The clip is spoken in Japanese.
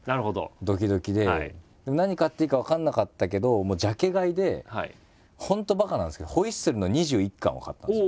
何買っていいか分かんなかったけどジャケ買いで本当ばかなんですけど「ホイッスル！」の２１巻を買ったんですよ。